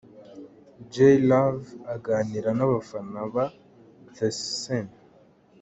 Jay Luv aganira n'abafana ba The Same.